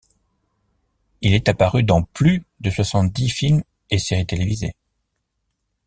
Il est apparu dans plus de soixante-dix films et séries télévisées.